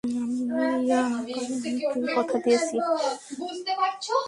আমি ইয়াকারিকে কথা দিয়েছি।